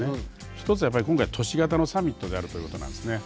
一つはやっぱり今回都市型のサミットであるということなんですね。